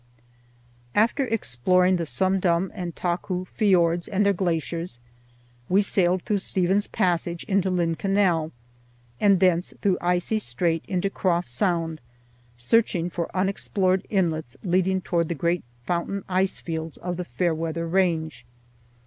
After exploring the Sumdum and Tahkoo fiords and their glaciers, we sailed through Stephen's Passage into Lynn Canal and thence through Icy Strait into Cross Sound, searching for unexplored inlets leading toward the great fountain ice fields of the Fairweather Range.